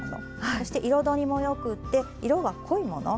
そして彩りもよくて色が濃いもの。